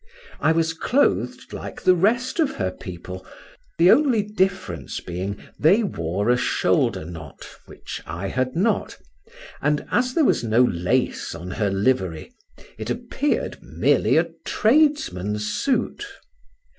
I was clothed like the rest of her people, the only difference being, they wore a shoulder knot, which I had not, and, as there was no lace on her livery, it appeared merely a tradesman's suit.